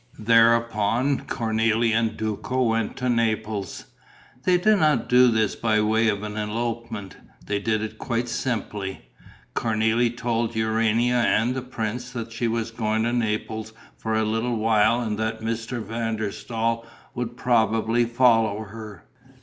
Thereupon Cornélie and Duco went to Naples. They did not do this by way of an elopement, they did it quite simply: Cornélie told Urania and the prince that she was going to Naples for a little while and that Van der Staal would probably follow her.